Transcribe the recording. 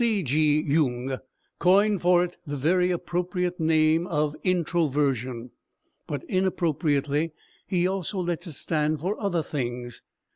C. G. Jung coined for it the very appropriate name of introversion, but inappropriately he also lets it stand for other things.